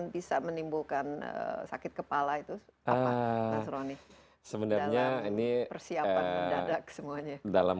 bisa menimbulkan sakit kepala itu apa mas roni dalam persiapan mendadak semuanya dalam